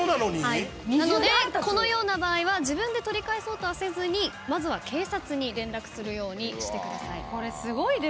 なのでこのような場合は自分で取り返そうとはせずにまずは警察に連絡するようにしてください。